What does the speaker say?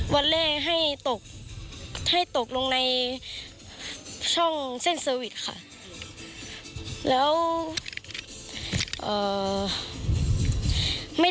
วาเลให้ตกลงในการตี